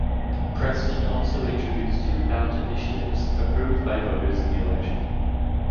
Preston also introduced two ballot initiatives approved by voters in the election.